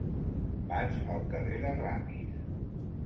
Vaig al carrer de Ramis.